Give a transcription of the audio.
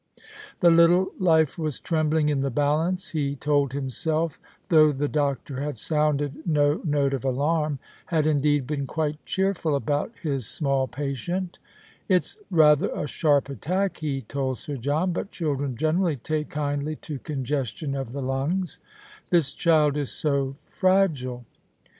The little life was trembling in the balance, he told himself, though the doctor had sounded no note of alarm, had indeed been quite cheerful about his small patient. " It's rather a sharp attack," he told 8ir John. " But children generally take kindly to congestion of the lungs." " This child is so frao ile " 202 The Christmas Hirelings.